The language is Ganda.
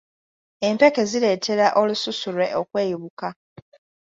Empeke zireetera olususu lwe okweyubuka.